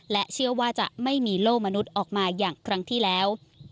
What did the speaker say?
เชื่อว่าจะไม่มีโล่มนุษย์ออกมาอย่างครั้งที่แล้ว